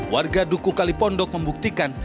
warga duku kalipondok membuktikan